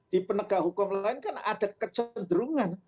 di penegak hukum lain kan ada kecenderungan